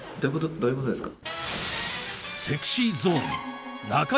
どういうことですか？